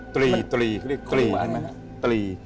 ตรี